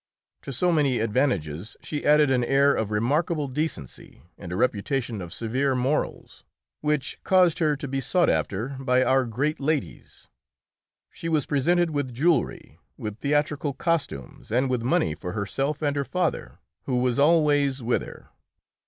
To so many advantages she added an air of remarkable decency and a reputation of severe morals, which caused her to be sought after by our greatest ladies. She was presented with jewelry, with theatrical costumes, and with money for herself and her father, who was always with her.